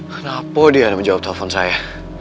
kenapa dia harus menjawab telepon saya